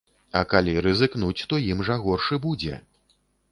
А калі рызыкнуць, то ім жа горш і будзе.